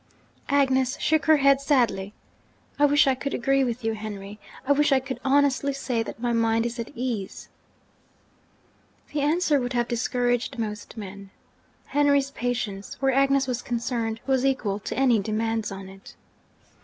Agnes shook her head sadly. 'I wish I could agree with you, Henry I wish I could honestly say that my mind is at ease.' The answer would have discouraged most men. Henry's patience (where Agnes was concerned) was equal to any demands on it.